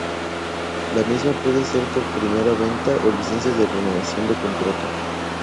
La misma puede ser por primera venta o licencia de renovación de contrato.